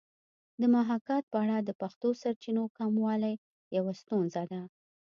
د محاکات په اړه د پښتو سرچینو کموالی یوه ستونزه ده